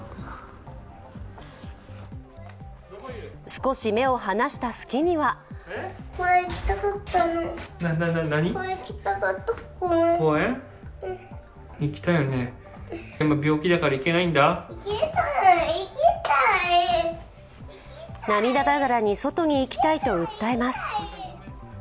少し目を離した隙には涙ながらに、外に行きたいと訴えます。